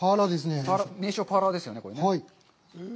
名称、パーラーですよね？